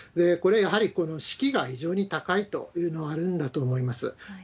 これ、やはり士気が非常に高いというのがあるんだと思います。